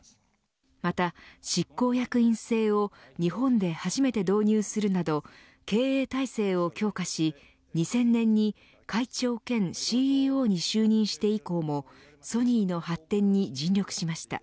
また、執行役員制を日本で初めて導入するなど経営体制を強化し２０００年に会長兼ＣＥＯに就任して以降もソニーの発展に尽力しました。